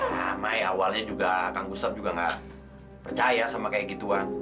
ya mai awalnya kang gustaf juga gak percaya sama kaya gituan